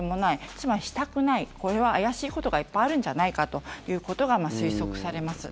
つまりしたくないこれは怪しいことがいっぱいあるんじゃないかということが推測されます。